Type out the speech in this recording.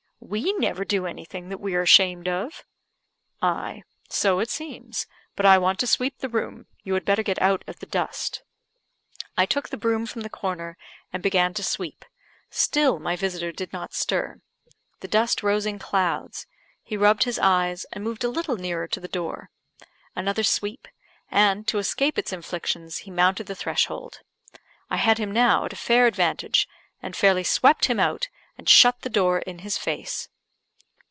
We never do anything that we are ashamed of." I: "So it seems. But I want to sweep the room you had better get out of the dust." I took the broom from the corner, and began to sweep; still my visitor did not stir. The dust rose in clouds; he rubbed his eyes, and moved a little nearer to the door. Another sweep, and, to escape its inflictions, he mounted the threshold. I had him now at a fair advantage, and fairly swept him out, and shut the door in his face.